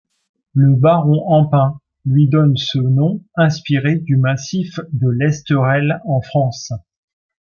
Le baron Empain lui donne ce nom inspiré du massif de l'Esterel en France.